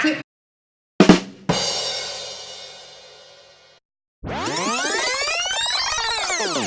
ครูปีชามีคลิปเสียงด้วยเหรอค่ะ